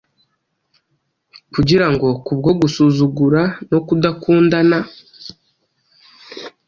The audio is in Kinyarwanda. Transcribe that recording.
kugira ngo kubwo gusuzugura no kudakundana,